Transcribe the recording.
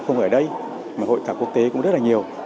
các hãng xung quanh ở đây hội thảo quốc tế cũng rất là nhiều